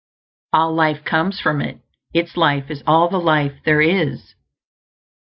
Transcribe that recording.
All life comes from it; its life is all the life there is.